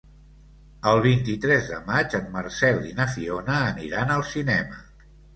El vint-i-tres de maig en Marcel i na Fiona aniran al cinema.